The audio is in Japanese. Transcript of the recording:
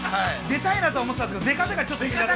出たいなと思ってたんですけど出方がちょっと違った。